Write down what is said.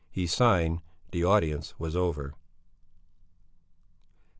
He signed. The audience was over.